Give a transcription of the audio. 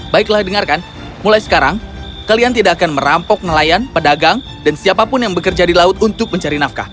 baiklah dengarkan mulai sekarang kalian tidak akan merampok nelayan pedagang dan siapapun yang bekerja di laut untuk mencari nafkah